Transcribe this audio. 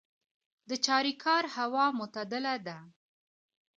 د چاریکار هوا معتدله ده